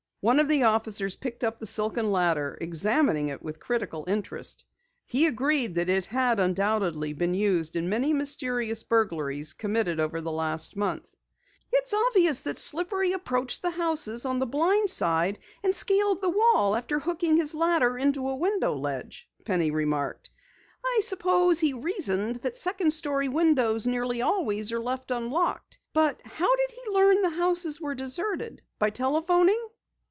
One of the officers picked up the silken ladder, examining it with critical interest. He agreed that it had undoubtedly been used in many mysterious burglaries committed during the past month. "It's obvious that Slippery approached the houses on the 'blind' side, and scaled the wall after hooking his ladder into a window ledge," Penny remarked. "I suppose he reasoned that second story windows nearly always are left unlocked. But how did he learn the houses were deserted? By telephoning?"